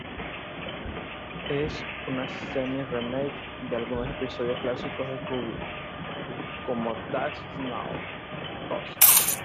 Es una semi-remake de algunos episodios clásicos de Scooby, como "That's Snow Ghost!